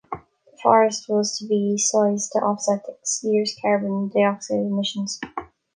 The forest was to be sized to offset the year's carbon dioxide emissions.